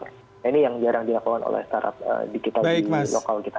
nah ini yang jarang dilakukan oleh startup digital di lokal kita